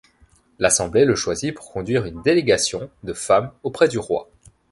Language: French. L'Assemblée le choisit pour conduire une délégation de femmes auprès du roi.